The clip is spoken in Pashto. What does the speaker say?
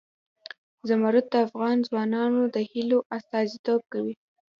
زمرد د افغان ځوانانو د هیلو استازیتوب کوي.